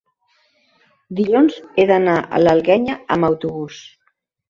Dilluns he d'anar a l'Alguenya amb autobús.